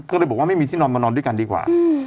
ก็เลยบอกว่าไม่มีที่นอนมานอนด้วยกันดีกว่า